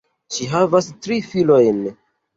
Ŝi havas tri filojn.